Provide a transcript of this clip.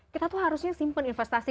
kita tuh harusnya simpen investasi